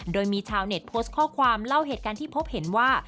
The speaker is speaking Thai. โดยมีชาวเน็ตโพสต์ข้อความเล่าเหตุการณ์ที่พบเห็นว่า